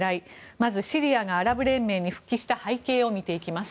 まず、シリアがアラブ連盟に復帰した背景を見ていきます。